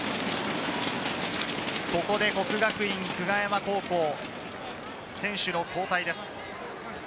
ここで國學院久我山高校、選手の交代です。